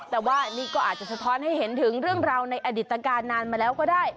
แต่ว่านี่ก็อาจจะสะท้อนให้เห็นถึงเรื่องราวในอดิตการนานมาแล้วก็ได้